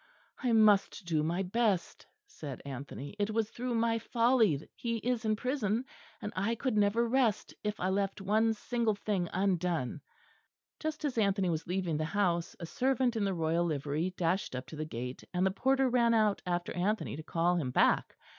"I must do my best," said Anthony; "it was through my folly he is in prison, and I could never rest if I left one single thing undone." Just as Anthony was leaving the house, a servant in the royal livery dashed up to the gate; and the porter ran out after Anthony to call him back.